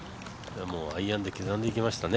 アイアンで刻んできましたね。